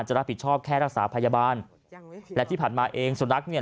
จะรับผิดชอบแค่รักษาพยาบาลและที่ผ่านมาเองสุนัขเนี่ย